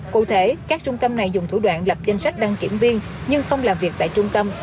cụ thể các trung tâm này dùng thủ đoạn lập danh sách đăng kiểm viên nhưng không làm việc tại trung tâm